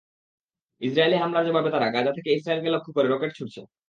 Israeli হামলার জবাবে তারা গাজা থেকে ইসরায়েলকে লক্ষ্য করে রকেট ছুড়ছে।